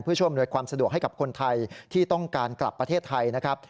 เพื่อช่วยอำนวยความสะดวกให้กับคนไทยที่ต้องการกลับประเทศไทยนะครับ